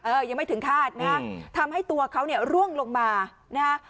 ยังไม่ถึงคาดนะฮะทำให้ตัวเขาเนี่ยร่วงลงมานะฮะ